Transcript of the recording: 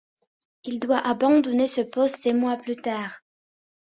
Il doit abandonner ce poste sept mois plus tard.